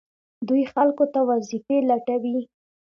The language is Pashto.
دوی خلکو ته وظیفې لټوي.